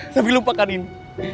tapi lupakan ini